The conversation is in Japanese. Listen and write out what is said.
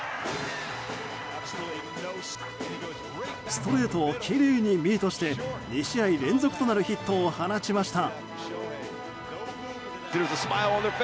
ストレートをきれいにミートして２試合連続となるヒットを放ちました。